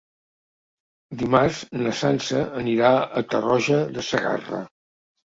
Dimarts na Sança anirà a Tarroja de Segarra.